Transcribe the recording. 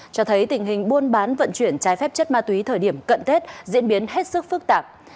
cho thấy tình hình buôn bán vận chuyển trái phép chất ma túy thời điểm cận tết diễn biến hết sức phức tạp